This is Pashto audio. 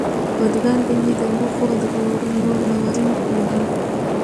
په دوکان کې مې د لوښو او د کور نور لوازم پلورل.